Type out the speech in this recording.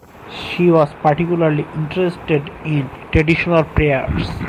She was particularly interested in traditional prayers.